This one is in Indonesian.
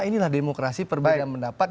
inilah demokrasi perbedaan mendapat